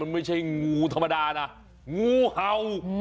ไม่ใช่งูธรรมดานะงูเห่า